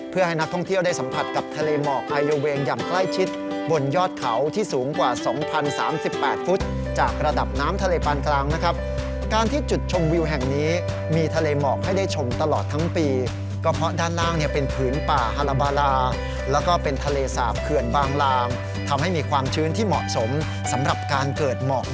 เพื่อให้นักท่องเที่ยวได้สัมผัสกับทะเลหมอกไอโยเวงอย่างใกล้ชิดบนยอดเขาที่สูงกว่า๒๐๓๘ฟุตจากระดับน้ำทะเลปานกลางนะครับการที่จุดชมวิวแห่งนี้มีทะเลหมอกให้ได้ชมตลอดทั้งปีก็เพราะด้านล่างเนี่ยเป็นผืนป่าฮาลาบาลาแล้วก็เป็นทะเลสาบเขื่อนบางลางทำให้มีความชื้นที่เหมาะสมสำหรับการเกิดหมอก